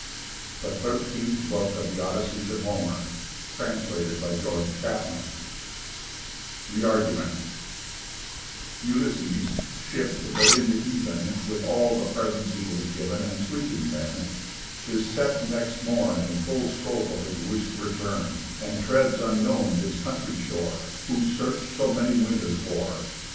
THE THIRTEENTH BOOK OF HOMER'S ODYSSEYS THE ARGUMENT Ulysses (shipp'd, but in the even, With all the presents he was given, And sleeping then) is set next morn In full scope of his wish'd return, And treads unknown his country shore, Whose search so many winters wore.